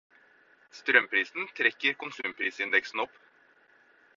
Strømprisen trekker konsumprisindeksen opp.